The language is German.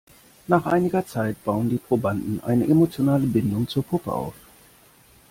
Nach einiger Zeit bauen die Probanden eine emotionale Bindung zur Puppe auf.